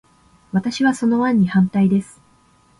私は、その案に反対です。